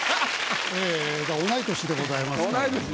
ええだから同い年でございますから。